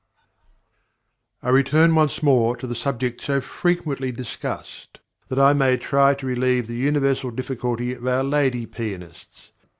I return once more to the subject so frequently discussed, that I may try to relieve the universal difficulty of our lady pianists.